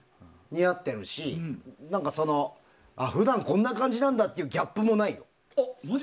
似合ってるし普段、こんな感じなんだっていうギャップもない。